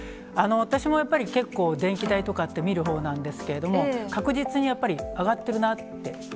私もやっぱり、結構、電気代とかって見るほうなんですけども、確実にやっぱり上がっているなって。